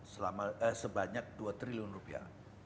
sebanyak dua triliun rupiah